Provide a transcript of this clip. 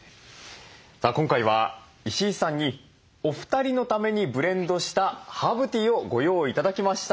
さあ今回は石井さんにお二人のためにブレンドしたハーブティーをご用意頂きました。